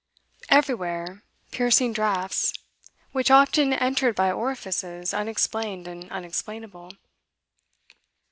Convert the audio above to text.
Everywhere piercing draughts, which often entered by orifices unexplained and unexplainable.